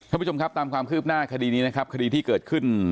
ท่านผู้ชมครับตามความคืบหน้าคดีนี้นะครับคดีที่เกิดขึ้น